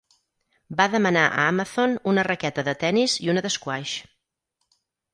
Va demanar a Amazon una raqueta de tennis i una d'esquaix.